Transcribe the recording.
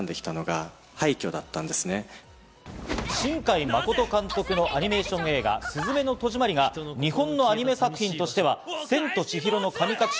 新海誠監督のアニメーション映画『すずめの戸締まり』が、日本のアニメ作品としては『千と千尋の神隠し』